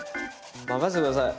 任せて下さい。